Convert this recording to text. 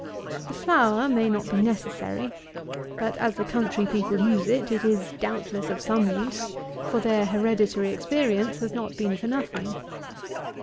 The flour may not be necessary; but, as the country people use it, it is, doubtless, of some use; for their hereditary experience has not been for nothing.